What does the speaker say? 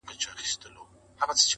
د چا او چا ژوند كي خوښي راوړي.